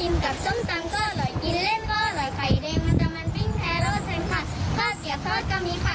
ไข่เด็งมันจะมาปิ้งแท้เราก็เซ็มพัดข้าวเกลียบพอดก็มีค่ะ